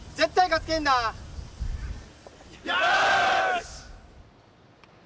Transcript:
よし！